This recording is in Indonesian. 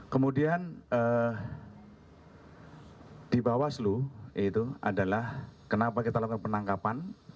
kemudian di bawaslu itu adalah kenapa kita lakukan penangkapan